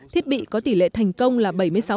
thiết bị có tỷ lệ thành công là bảy mươi sáu